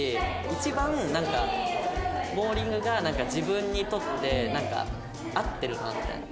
一番なんかボウリングが自分にとって合ってるなみたいな。